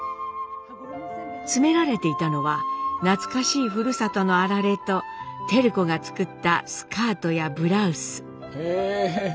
詰められていたのは懐かしいふるさとのあられと照子が作ったスカートやブラウス。